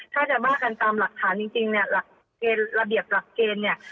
ถ้าจะบ้างกันตามหลักฐานจริงระเบียบหลักเกณฑ์